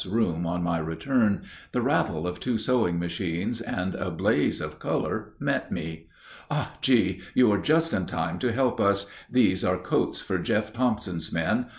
's room on my return, the rattle of two sewing machines and a blaze of color met me. "Ah, G., you are just in time to help us; these are coats for Jeff Thompson's men.